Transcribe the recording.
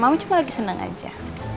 mama cuma lagi senang aja